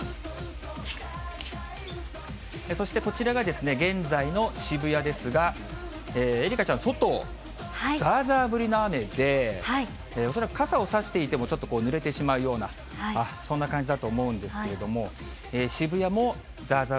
そして、こちらが現在の渋谷ですが、愛花ちゃん、外、ざーざー降りの雨で、恐らく傘を差していても、ちょっとぬれてしまうような、そんな感じだと思うんですけれども、渋谷もざーざー